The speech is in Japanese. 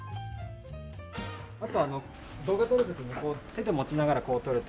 あと動画撮る時に手で持ちながらこう撮ると。